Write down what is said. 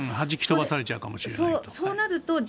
弾き飛ばされちゃうかもしれないと。